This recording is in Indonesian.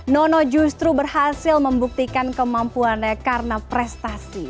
nono justru berhasil membuktikan kemampuannya karena prestasi